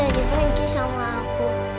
lalu ibu jadi penci sama aku